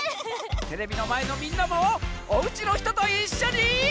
テレビのまえのみんなもおうちのひとといっしょに。